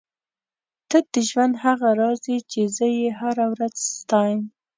ته د ژوند هغه راز یې چې زه یې هره ورځ ستایم.